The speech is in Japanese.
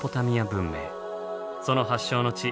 その発祥の地